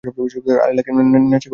আরে লাকি, নেশা করে আসছো নাকি?